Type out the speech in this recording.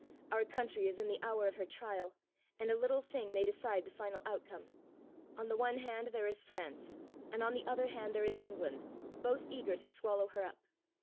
Our country is in the hour of her trial and a little thing may decide the final outcome. On the one hand there is France and on the other hand there is England, both eager to swallow her up.